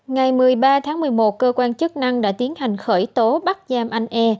ngày một mươi ba tháng một mươi một cơ quan chức năng đã tiến hành khởi tố bắt giam anh e